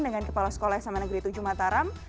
dengan kepala sekolah sma negeri tujuh mataram